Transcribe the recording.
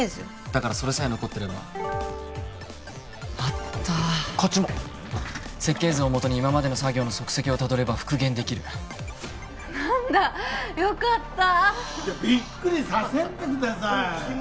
だからそれさえ残ってればあったこっちも設計図をもとに今までの作業の足跡をたどれば復元できる何だよかったビックリさせんでください